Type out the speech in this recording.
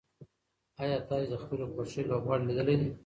ایا تاسي د خپلې خوښې لوبغاړی لیدلی دی؟